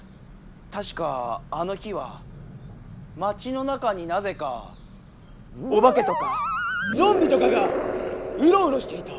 たしかあの日は町の中になぜかおばけとかゾンビとかがうろうろしていた。